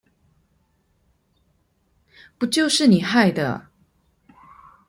不就是你害的